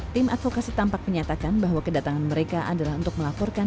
tim advokasi tampak menyatakan bahwa kedatangan mereka adalah untuk melaporkan